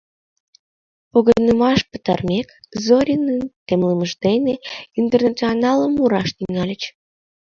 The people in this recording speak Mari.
Погынымаш пытымек, Зоринын темлымыж дене «Интернационалым» мураш тӱҥальыч.